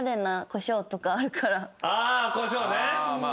あコショウね。